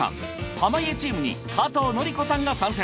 濱家チームに加藤紀子さんが参戦。